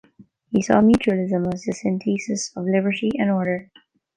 He saw mutualism as the synthesis of liberty and order.